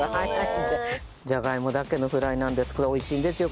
じゃがいもだけのフライなんですけど美味しいんですよ